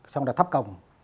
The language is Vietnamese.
xong rồi tháp cổng